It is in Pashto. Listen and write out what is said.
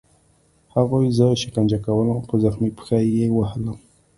هغوی زه شکنجه کولم او په زخمي پښه یې وهلم